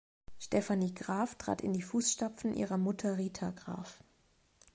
Stephanie Graf trat in die Fußstapfen ihrer Mutter Rita Graf.